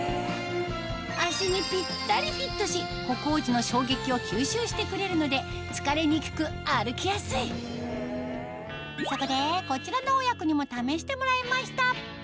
足にぴったりフィットし歩行時の衝撃を吸収してくれるので疲れにくく歩きやすいそこでこちらの親子にも試してもらいました